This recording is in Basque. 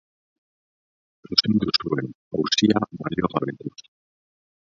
Zuzendu zuen, auzia baliogabetuz.